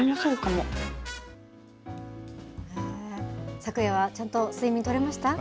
昨夜はちゃんと睡眠とれました？